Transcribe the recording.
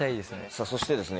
さぁそしてですね